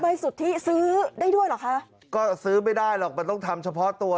สุทธิซื้อได้ด้วยเหรอคะก็ซื้อไม่ได้หรอกมันต้องทำเฉพาะตัว